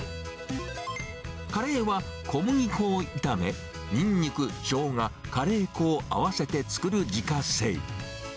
カレーは小麦粉を炒め、ニンニク、ショウガ、カレー粉を合わせて作る自家製。